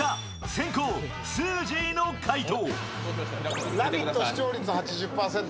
先攻・すーじーの回答。